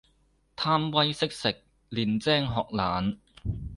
貪威識食，練精學懶